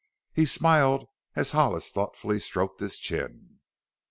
He smiled as Hollis thoughtfully stroked his chin.